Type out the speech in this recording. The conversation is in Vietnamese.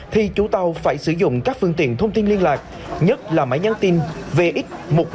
thì chú tàu phải sử dụng các phương tiện thông tin liên lạc nhất là máy nhắn tin vx một nghìn bảy trăm linh